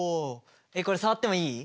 これ触ってもいい？